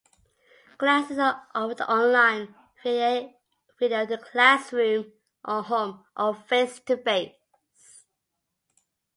Classes are offered online, via video to a classroom or home, or face-to-face.